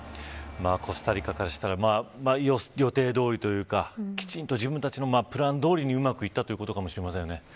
コスタリカからしたら予定どおりというかきちんと自分たちのプランどおりにうまくいったということかもしれませんね。